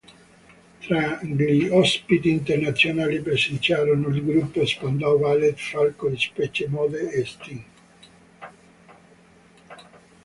Tra gli ospiti internazionali presenziarono il gruppo Spandau Ballet, Falco, Depeche Mode e Sting.